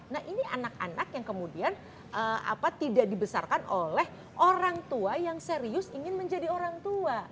nah ini anak anak yang kemudian tidak dibesarkan oleh orang tua yang serius ingin menjadi orang tua